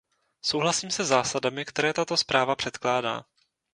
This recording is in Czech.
Souhlasím se zásadami, které tato zpráva předkládá.